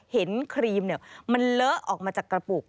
ครีมมันเลอะออกมาจากกระปุก